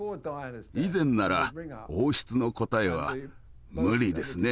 以前なら王室の答えは「無理ですね。